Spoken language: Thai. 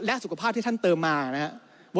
และสุขภาพที่ท่านเติมมานะครับ